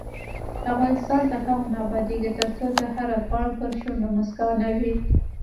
افغانستان تر هغو نه ابادیږي، ترڅو د هر افغان پر شونډو مسکا نه وي.